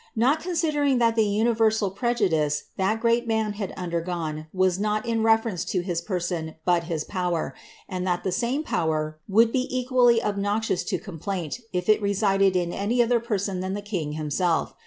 Not consideniig that the universal prejudice that gpreat man had undergone was not ia reference to his person but his power, and that the same power would be equally obnoxious to complaint if it resided in any other person than the king himself.